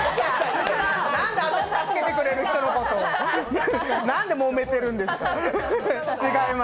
なんで私を助けてくれる人のことを、なんでもめてるんですか。